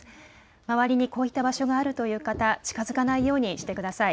周りにこういった場所があるという方、近づかないようにしてください。